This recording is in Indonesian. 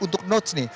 untuk notes nih